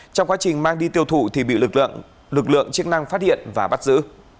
trong quá trình mang đi tiêu thụ thì bị lực lượng chức năng phát hiện và bắt giữ